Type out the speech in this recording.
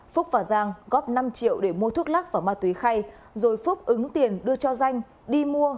phúc và giang góp năm triệu để mua thuốc lắc và ma túy khay rồi phúc ứng tiền đưa cho danh đi mua